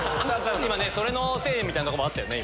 それのせいみたいなとこもあったよね。